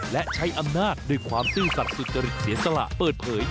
และใช้อำนาจด้วยความซื่อสัตว์สุจริตเสียสละเปิดเผย